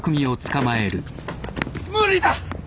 無理だ！